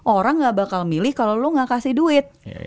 orang gak bakal milih kalau lu gak kasih duit